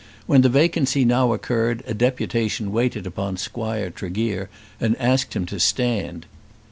When the vacancy now occurred a deputation waited upon Squire Tregear and asked him to stand.